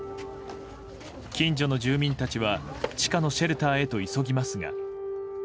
近所の住民たちは地下のシェルターへ急ぎますが。